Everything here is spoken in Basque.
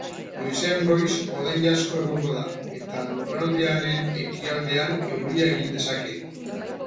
Goizean goiz hodei asko egongo da eta lurraldearen ekialdean euria egin dezake.